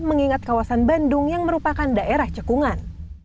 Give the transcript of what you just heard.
mengingat kawasan bandung yang merupakan daerah cekungan